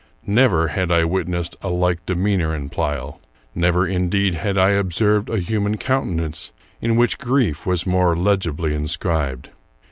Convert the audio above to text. Never had I witnessed a like demeanor in Pleyel. Never, indeed, had I observed a human countenance in which grief was more legibly inscribed.